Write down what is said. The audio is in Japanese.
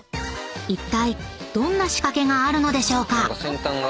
［いったいどんな仕掛けがあるのでしょうか？］